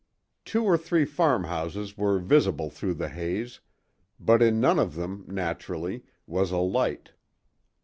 Two or three farmhouses were visible through the haze, but in none of them, naturally, was a light.